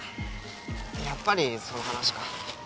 やっぱりその話か。